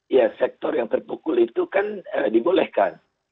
ya sektor yang terpukul itu kan dibolehkan